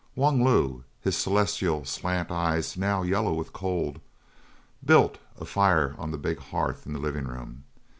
Wung Lu, his celestial, slant eyes now yellow with cold, built a fire on the big hearth in the living room.